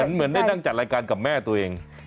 เหมือนได้นั่งจัดรายการกับแม่ตัวเอง